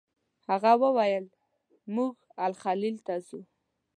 هغه وویل موږ الخلیل ته ځو.